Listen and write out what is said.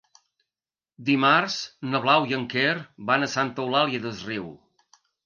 Dimarts na Blau i en Quer van a Santa Eulària des Riu.